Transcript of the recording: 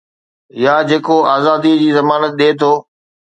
يا جيڪو آزادي جي ضمانت ڏئي ٿو